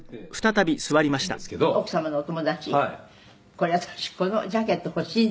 「これ私このジャケット欲しいんだけど」